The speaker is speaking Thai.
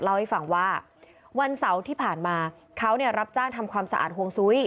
เล่าให้ฟังว่าวันเสาร์ที่ผ่านมาเขารับจ้างทำความสะอาดห่วงซุ้ย